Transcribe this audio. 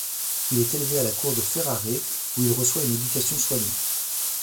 Il est élevé à la cour de Ferrare où il reçoit une éducation soignée.